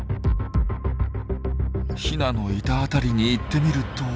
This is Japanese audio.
ヒナのいた辺りに行ってみると。